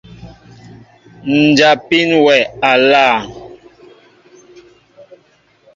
Njapin wɛ aláaŋ.